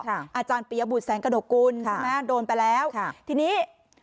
อาจารย์ปิยบุตรแสงกระโดกุลโดนไปแล้วทีนี้